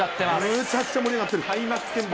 むちゃくちゃ盛り上がってる。